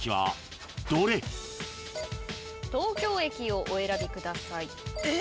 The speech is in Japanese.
東京駅をお選びください。え！？